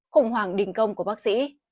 khủng hoảng đình công của bác sĩ